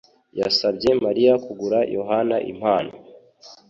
yasabye Mariya kugura Yohana impano.